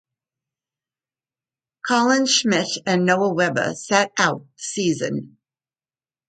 Colin Schmidt and Noah Weber sat out the season.